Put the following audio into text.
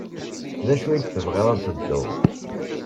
D acu ay tebɣiḍ ad t-tgeḍ?